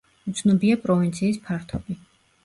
უცნობია პროვინციის ფართობი.